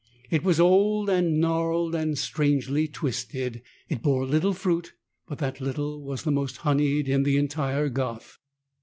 It was old and gnarled and strangely twisted: it bore little fruit, but that little was the most honeyed in the entire garth.